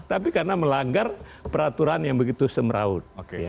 tapi karena melanggar peraturan yang begitu semeraut